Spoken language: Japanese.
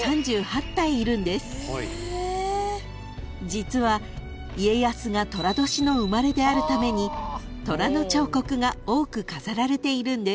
［実は家康が寅年の生まれであるために虎の彫刻が多く飾られているんです］